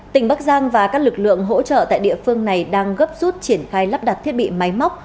tỉnh bắc giang và các lực lượng hỗ trợ tại địa phương này đang gấp rút triển khai lắp đặt thiết bị máy móc